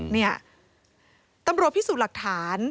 เนี่ยตำรวจพิสูจน์หลักฐาน